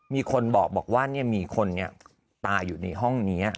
มีคนบอกว่าเนี่ยมีคนเนี่ยตายอยู่ในห้องนี้